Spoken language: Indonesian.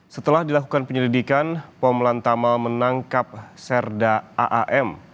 setelah dilakukan penyelidikan pom lantama menangkap serda aam